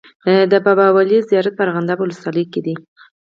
د بابا ولي زیارت په ارغنداب ولسوالۍ کي دی.